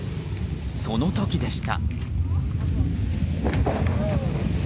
その時でした。